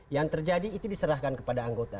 yang terjadi itu diserahkan kepada anggota